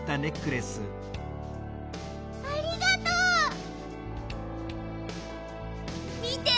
ありがとう！みて！